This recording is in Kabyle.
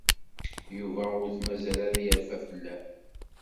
Yuba ur t-mazal ara yerfa fell-am.